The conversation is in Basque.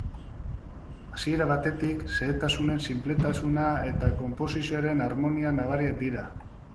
Hasiera batetik, xehetasunen sinpletasuna eta konposizioaren armonia nabariak dira.